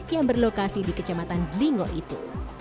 yang berlokasi di kecamatan dlingo itu